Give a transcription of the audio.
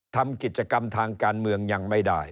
ทำกิจกรรมทางการเมืองยังไม่ได้